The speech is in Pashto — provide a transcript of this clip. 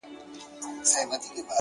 خوگراني زه نو دلته څه ووايم;